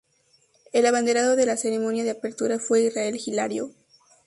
El abanderado en la ceremonia de apertura fue Israel Hilario.